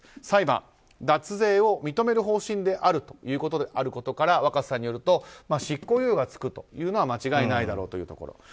裁判、脱税を認める方針であるということから若狭さんによると執行猶予がつくというのは間違いないだろうというところ。